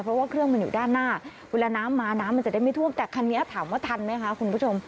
เพราะว่าเครื่องมันอยู่ด้านหน้าเวลาน้ำมาน้ำมันจะได้ไม่ท่วมแต่คันนี้ถามว่าทันไหมคะคุณผู้ชม